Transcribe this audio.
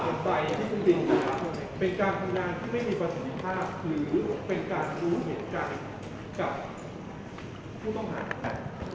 มันเป็นสิ่งที่เราไม่รู้สึกว่า